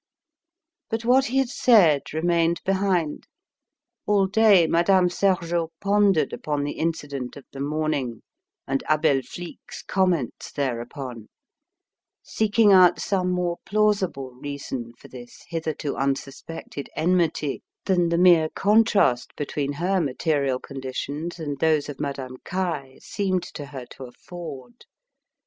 But what he had said remained behind. All day Madame Sergeot pondered upon the incident of the morning and Abel Flique's comments thereupon, seeking out some more plausible reason for this hitherto unsuspected enmity than the mere contrast between her material conditions and those of Madame Caille seemed to her to afford.